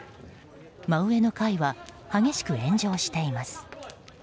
真上の階は激しく炎上しています。